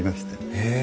へえ！